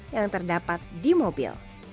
yang terdapat di mobil